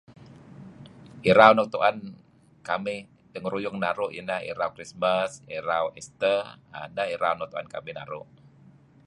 Itau nuk tuen kamih engaruyung naru' iah ineh Irau Krismas. Irau Easter. Neh irau nuk tuen kamih naru'.